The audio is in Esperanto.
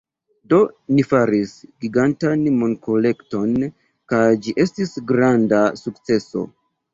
Do, ni faris gigantan monkolekton kaj ĝi estis granda sukceso